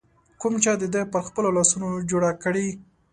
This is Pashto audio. کوم چا د ده پر خپلو لاسونو جوړه کړې